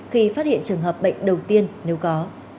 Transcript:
khi phát hiện trường hợp bệnh đầu tiên nếu có